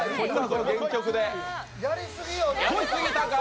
やりすぎたか？！